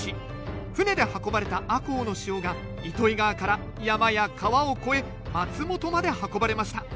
船で運ばれた赤穂の塩が糸魚川から山や川を越え松本まで運ばれました。